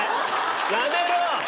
やめろ！